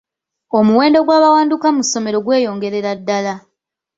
Omuwendo gw'abawanduka mu ssomero gweyongerera ddala.